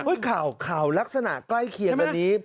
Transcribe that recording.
ข่าวข่าวลักษณะใกล้เคียงกันนี้